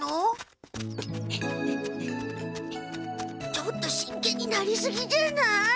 ちょっと真剣になりすぎじゃない？